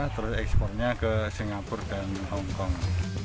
terus ekspornya ke singapura dan hongkong